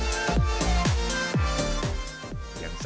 pihak kampus siap membantu dalam proses pemasaran dan pengenalan